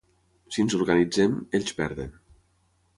Si ens organitzem, ells perden.